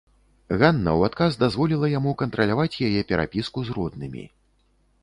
Ганна ў адказ дазволіла яму кантраляваць яе перапіску з роднымі.